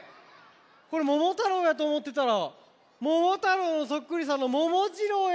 これ「ももたろう」やとおもってたらももたろうのそっくりさんのももじろうや。